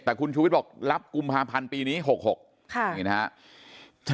แต่คุณชุวิตบอกรับกุมภาพันธ์ปีนี้หกหกค่ะนี่นะฮะ